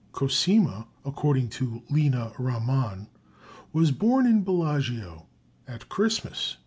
" Cosima, according to Lina Ramann, was born (in Bellagio) "at Christmas," 1837.